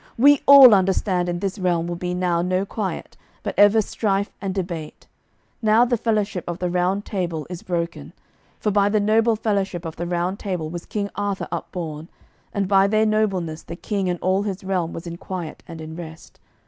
We all understand in this realm will be now no quiet, but ever strife and debate, now the fellowship of the Round Table is broken; for by the noble fellowship of the Round Table was King Arthur upborne, and by their nobleness the King and all his realm was in quiet and in rest.